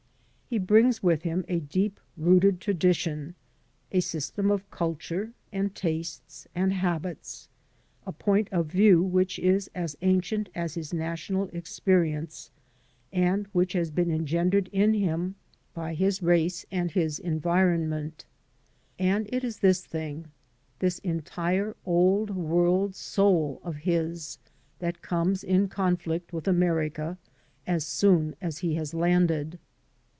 He brings with him a deep rooted tradition, a system of culture and tastes and habits — ^a point of view which is as ancient as his national experience and which has been engendered in him by his race and his 60 FIRST IMPRESSIONS environment. And it is this thing — ^this entire Old World soul of his — ^that comes in conflict with America as soon as he has landed.